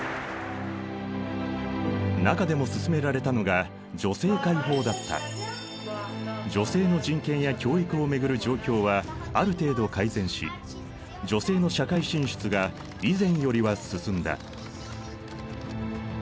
中でも進められたのが女性の人権や教育を巡る状況はある程度改善し女性の社会進出が以前よりは進んだ。